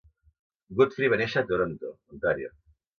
Godfrey va néixer a Toronto, Ontario.